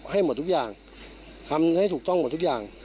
ให้หมดทุกอย่างทำให้ถูกต้องหมดทุกอย่าง